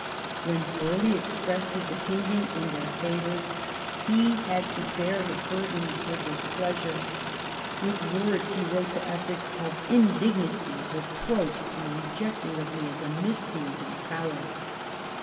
When Burghley expressed his opinion in their favour he had to bear the burden of her displeasure, with words/' he wrote to Essex, " of indignity, reproach, and rejecting of me as a miscreant and a coward